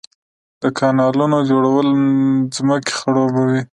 د کانالونو جوړول ځمکې خړوبوي